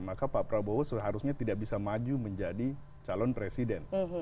maka pak prabowo seharusnya tidak bisa maju menjadi calon presiden